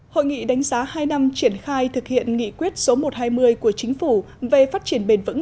hội nghị đánh giá hai năm triển khai thực hiện nghị quyết số một trăm hai mươi của chính phủ về phát triển bền vững